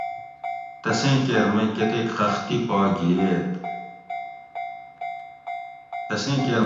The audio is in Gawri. تسیں کیر مئی کۤتیک خختی پا گِھئیت